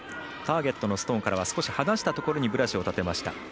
ターゲットのストーンからは少し離したところにブラシを立てました。